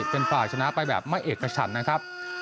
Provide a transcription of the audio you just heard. เป็นฝ่ายชนะไปแบบไม่เอกฉันนะครับ